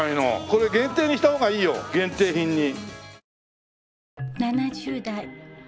これ限定にした方がいいよ限定品に。